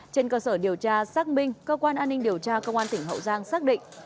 trên cơ sở điều tra xác minh cơ quan an ninh điều tra công an tỉnh hậu giang xác định